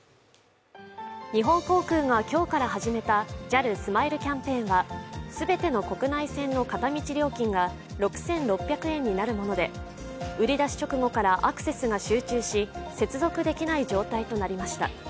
日本航空が今日から始めたＪＡＬスマイルキャンペーンは全ての国内線の片道料金が６６００円になるもので、売り出し直後からアクセスが集中し、接続できない状態となりました。